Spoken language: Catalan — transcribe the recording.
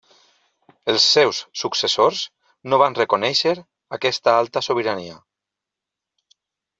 Els seus successors no van reconèixer aquesta alta sobirania.